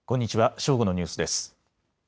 正午のニュースです。